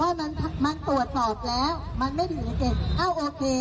มันบอกว่ามันตรวจสอบแล้วมันไม่เป็นเหตุเกตเอาโอเค